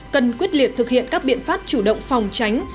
cần quyết liệt thực hiện các biện pháp chủ động phòng tránh